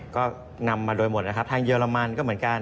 ก็นำมาโดยหมดนะครับทางเยอรมันก็เหมือนกัน